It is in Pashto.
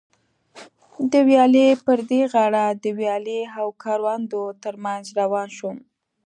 د ویالې پر دې غاړه د ویالې او کروندو تر منځ روان شوم.